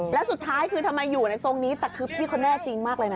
แล้วสุดท้ายคือทำไมอยู่ในทรงนี้แต่คือพี่เขาแน่จริงมากเลยนะ